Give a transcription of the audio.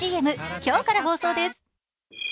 今日から放送です。